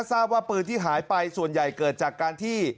ทราบว่าปืนที่หายไปส่วนใหญ่เกิดจากการที่